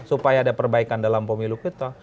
supaya ada perbaikan dalam pemilu kita